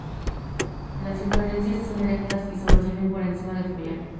Las inflorescencias son erectas y sobresalen por encima del follaje.